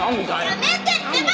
やめてってば！